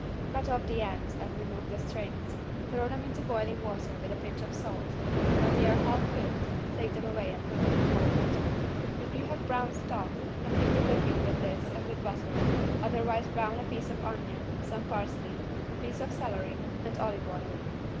Cut off the ends and remove the strings. Throw them into boiling water with a pinch of salt and when they are half cooked take them away and put them in cold water. If you have brown stock complete the cooking with this and with butter, otherwise brown a piece of onion, some parsley, a piece of celery and olive oil.